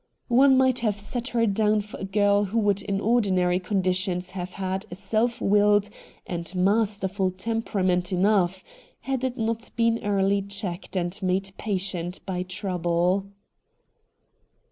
One might have set her down for a girl who would in ordinary conditions have had a self willed and ' masterful ' temperament enough, had it not been early checked and made patient by trouble.